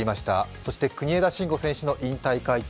そして国枝慎吾さんの引退会見。